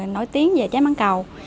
nổi tiếng về trái mảng cầu